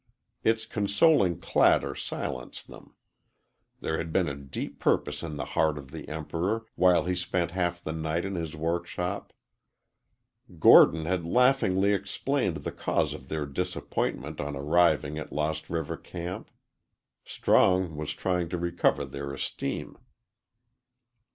Its consoling clatter silenced them. There had been a deep purpose in the heart of the Emperor while he spent half the night in his workshop. Gordon had laughingly explained the cause of their disappointment on arriving at Lost River camp. Strong was trying to recover their esteem.